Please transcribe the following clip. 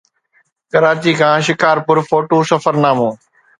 ڪراچي کان شڪارپور فوٽو سفرنامو